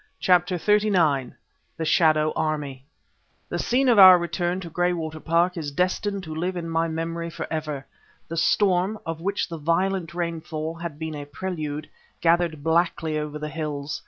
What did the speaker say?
CHAPTER XXXIX THE SHADOW ARMY The scene of our return to Graywater Park is destined to live in my memory for ever. The storm, of which the violet rainfall had been a prelude, gathered blackly over the hills.